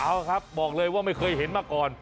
เอาครับบอกเลยว่าไม่เคยเห็นมาก่อน